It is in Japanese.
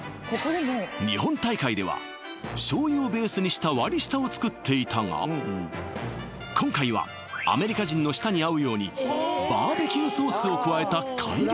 日本大会では醤油をベースにした割り下を作っていたが今回はアメリカ人の舌に合うようにバーベキューソースを加えた改良